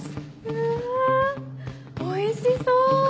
うわおいしそう！